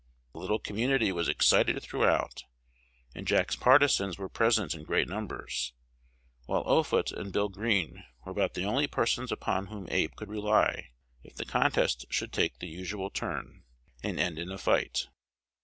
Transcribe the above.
The little community was excited throughout, and Jack's partisans were present in great numbers; while Offutt and Bill Green were about the only persons upon whom Abe could rely if the contest should take the usual turn, and end in a fight.